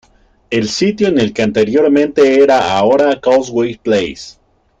El sitio en el que anteriormente era ahora Causeway Place.